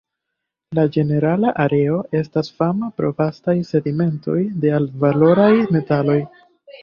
La ĝenerala areo estas fama pro vastaj sedimentoj de altvaloraj metaloj.